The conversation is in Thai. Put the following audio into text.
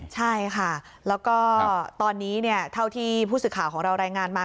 ใช่ค่ะแล้วก็ตอนนี้เท่าที่ผู้สื่อข่าวของเรารายงานมา